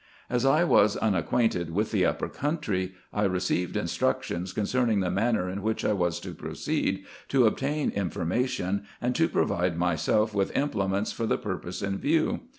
As I was unacquainted with the upper country, I received instructions concerning the manner in which I was to proceed, to obtain information, and to provide myself with implements for the purpose in view.